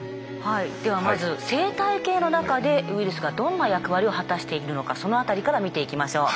ではまず生態系の中でウイルスがどんな役割を果たしているのかその辺りから見ていきましょう。